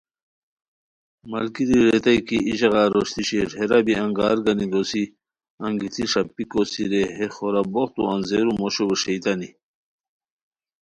ملگیری ریتائے کی ای ژاغا روشتی شیر، ہیرا بی انگار گانی گوسی، انگیتی ݰاپیک کوسی رے ہے خورا بوختو انجیرو موشو ویݰیتانی